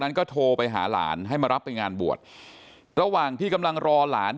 นั้นก็โทรไปหาหลานให้มารับไปงานบวชระหว่างที่กำลังรอหลาน